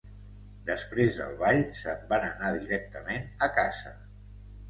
Després del ball, se'n van anar directament a casa.